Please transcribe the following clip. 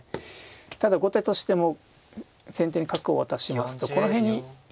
ただ後手としても先手に角を渡しますとこの辺に歩を突かれて。